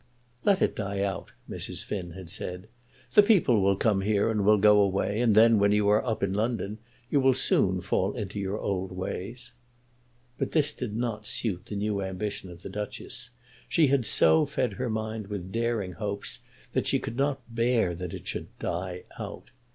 "Let it die out," Mrs. Finn had said. "The people will come here and will go away, and then, when you are up in London, you will soon fall into your old ways." But this did not suit the new ambition of the Duchess. She had so fed her mind with daring hopes that she could not bear that it should "die out."